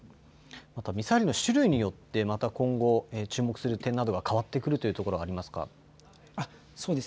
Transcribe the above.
ミサイルの種類によってまた今後、注目する点などが変わってくるというところはありますか。